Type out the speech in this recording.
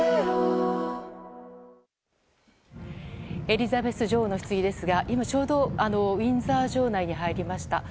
エリザベス女王のひつぎですが今ちょうどウィンザー城内に入りました。